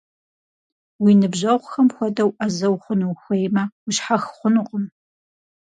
Уи ныбжьэгъухэм хуэдэу Ӏэзэ ухъуну ухуеймэ, ущхьэх хъунукъым.